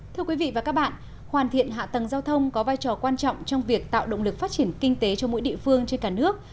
thưa quý vị và các bạn hoàn thiện hạ tầng giao thông có vai trò quan trọng trong việc tạo động lực phát triển kinh tế cho mỗi địa phương trên cả nước